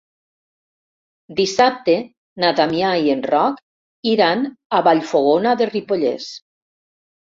Dissabte na Damià i en Roc iran a Vallfogona de Ripollès.